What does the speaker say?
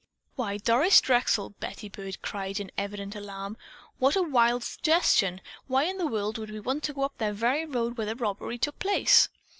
"Why, Doris Drexel," Betty Byrd cried in evident alarm, "what a wild suggestion! Why in the world should we want to go up the very road where the robbery took place!"